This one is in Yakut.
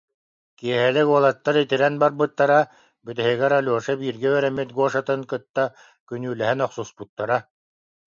Киэһэлик уолаттар итирэн барбыттара, бүтэһигэр Алеша бииргэ үөрэммит Гошатын кытта күнүүлэһэн охсуспуттара